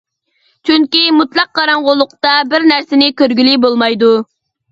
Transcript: چۈنكى مۇتلەق قاراڭغۇلۇقتا بىر نەرسىنى كۆرگىلى بولمايدۇ.